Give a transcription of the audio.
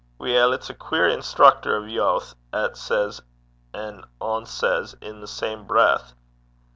'Weel, it's a queer instructor o' yowth, 'at says an' onsays i' the same breith.'